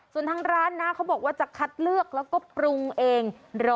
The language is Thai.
ส่วนทางร้านนะเขาบอกว่าจะคัดเลือกแล้วก็ปรุงเอง๑๐๐